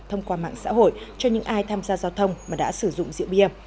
thông qua mạng xã hội cho những ai tham gia giao thông mà đã sử dụng rượu bia